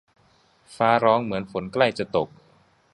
ฟ้าร้องเหมือนฝนใกล้จะตก